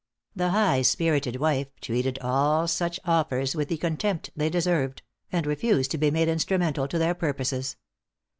The high spirited wife treated all such offers with the contempt they deserved, and refused to be made instrumental to their purposes.